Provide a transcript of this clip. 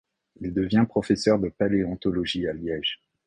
Il devient professeur de paléontologie à Liège.